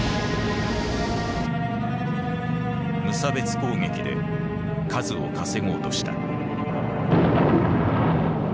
無差別攻撃で数を稼ごうとした。